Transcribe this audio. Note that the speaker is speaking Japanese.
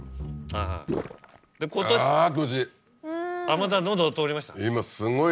また喉を通りました？